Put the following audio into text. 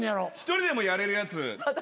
１人でもやれるやつ。